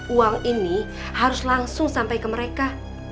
uang ini harus langsung sampai ke mereka